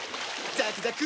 ザクザク！